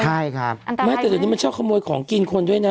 อันตรายเมื่อกี้มันชอบขโมยของกินคนด้วยนะ